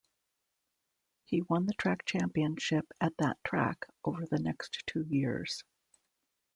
He won the track championship at that track over the next two years.